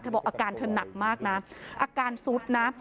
บอกอาการเธอหนักมากนะอาการซุดนะ